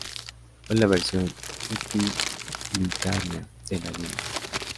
Fue la versión utilitaria de la línea.